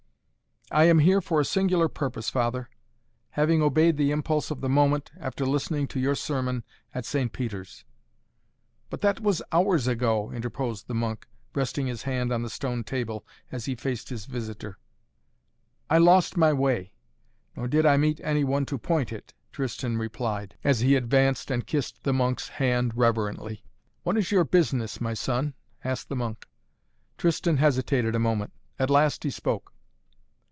"I am here for a singular purpose, father, having obeyed the impulse of the moment, after listening to your sermon at St. Peter's." "But that was hours ago," interposed the monk, resting his hand on the stone table, as he faced his visitor. "I lost my way nor did I meet any one to point it," Tristan replied, as he advanced and kissed the monk's hand reverently. "What is your business, my son?" asked the monk. Tristan hesitated a moment. At last he spoke.